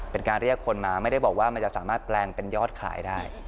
เป็นการเรียกคนมาไม่ได้บอกว่ามันจะสามารถแปลงเป็นยอดขายได้